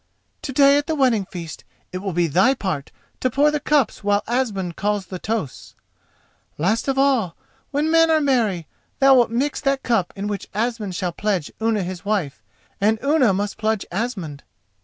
"To day at the wedding feast it will be thy part to pour the cups while Asmund calls the toasts. Last of all, when men are merry, thou wilt mix that cup in which Asmund shall pledge Unna his wife and Unna must pledge Asmund.